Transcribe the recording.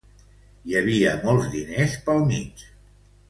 Hi havia molts diners pel mig.